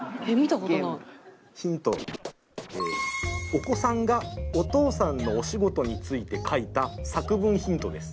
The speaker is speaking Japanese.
お子さんがお父さんのお仕事について書いた作文ヒントです。